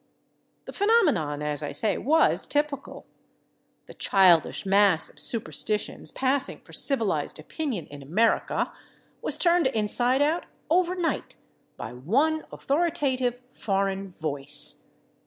The phenomenon, as I say, was typical. The childish mass of superstitions passing for civilized opinion in America was turned inside out overnight by one authoritative foreign voice.